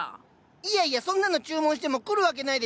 いやいやそんなの注文しても来るわけないでしょ？